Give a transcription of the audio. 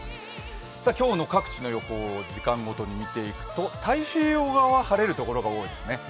今日の各地の予報、時間ごとにみていくと太平洋側は晴れる所が多いんですね。